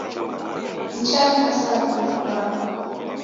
Nichamkasa Mulungu wapo